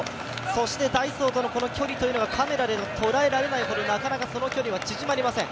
そしてダイソーとの距離というのがカメラでとらえられないほどなかなかその距離は縮まりません。